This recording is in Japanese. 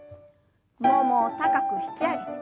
ももを高く引き上げて。